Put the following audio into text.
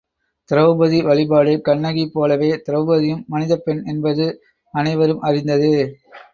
திரெளபதி வழிபாடு கண்ணகி போலவே திரெளபதியும் மனிதப் பெண் என்பது அனைவரும் அறிந்ததே.